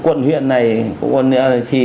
quận huyện này thì